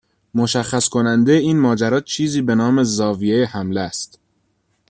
مشخص کننده این ماجرا چیزی به نام زاویه حمله است.